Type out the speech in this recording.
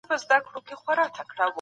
سبا به خلک ستاسې کیسه کوي.